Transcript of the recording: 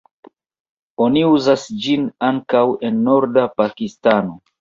Oni uzas ĝin ankaŭ en norda Pakistano.